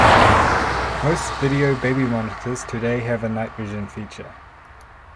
Most video baby monitors today have a night vision feature.